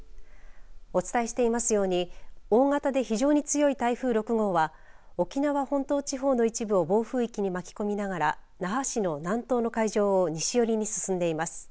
お伝えしていますように大型で非常に強い台風６号は沖縄本島地方の一部を暴風域に巻き込みながら那覇市の南東の海上を西寄りに進んでいます。